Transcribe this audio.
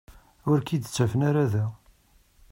Ur k-id-ttafen ara da.